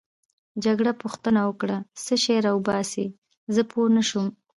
جګړن پوښتنه وکړه: څه شی راوباسې؟ زه پوه نه شوم.